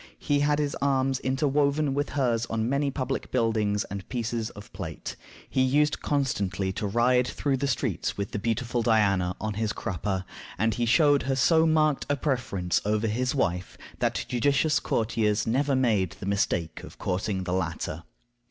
He had his arms interwoven with hers on many public buildings and pieces of plate. He used constantly to ride through the streets with the beautiful Diana on his crupper; and he showed her so marked a preference over his wife that judicious courtiers never made the mistake of courting the latter.